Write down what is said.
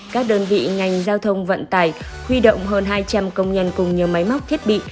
các đơn vị ngành giao thông vận tải huy động hơn hai trăm linh công nhân cùng nhiều máy móc thiết bị